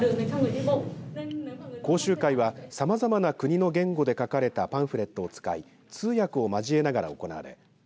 講習会はさまざまな国の言語で書かれたパンフレットを使い通訳を交えながら行われ